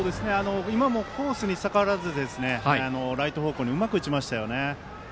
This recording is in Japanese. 今もコースに逆らわずライト方向にうまく打ちましたね。